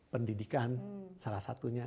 pendidikan salah satunya